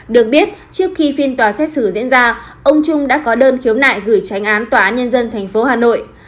được biết trước khi phiên tòa xét xử diễn ra ông trung đã có đơn khiếu nại gửi tránh án tòa án nhân dân tp hà nội